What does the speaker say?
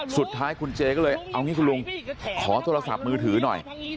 สุดท้ายคุณเจก็เลยเอางี้คุณลุงขอโทรศัพท์มือถือหน่อย